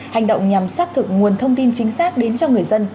hành động nhằm xác thực nguồn thông tin chính xác đến cho người dân